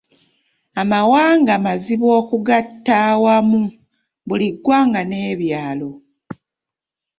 Amawanga mazibu okugatta awamu, buli ggwanga n’ebyalyo.